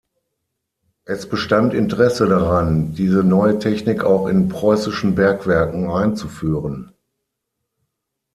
Es bestand Interesse daran, diese neue Technik auch in preußischen Bergwerken einzuführen.